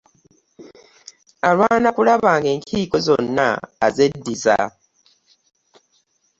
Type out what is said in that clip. Alwana kulaba nga enkiiko zonna azeddiza.